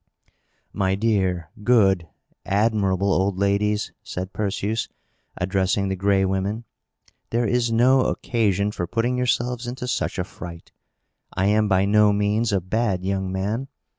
"My dear, good, admirable old ladies," said Perseus, addressing the Gray Women, "there is no occasion for putting yourselves into such a fright. I am by no means a bad young man.